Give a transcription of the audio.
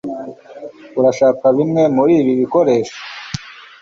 Urashaka bimwe muri ibi bikoresho